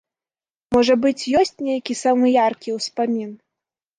Можа быць, ёсць нейкі самы яркі успамін?